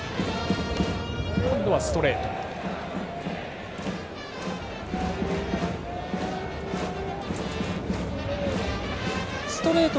今度はストレート。